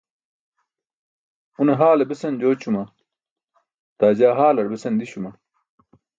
Une haale besan jooćuma, daa jaa haalar besan di̇śuma?